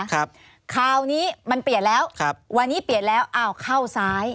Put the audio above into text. คราวนี้มันเปลี่ยนแล้วครับวันนี้เปลี่ยนแล้วอ้าวเข้าซ้าย